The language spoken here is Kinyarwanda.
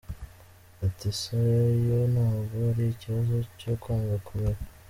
Ati “Soya yo ntabwo ari ikibazo cyo kwanga kumera.